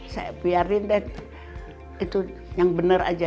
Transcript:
saya biarin deh itu yang benar aja